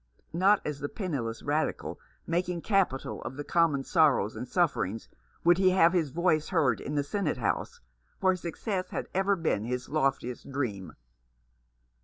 Not as the penniless Radical, making capital of the common sorrows and sufferings, would he have his voice heard in the senate house, where success had ever been his loftiest dream.